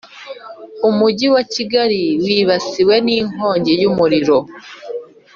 Umujyi wa Kigali wibasiwe n’ inkonjyi y’umuriro